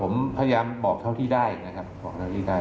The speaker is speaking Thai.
ผมพยายามบอกเท่าที่ได้นะครับบอกเท่าที่ได้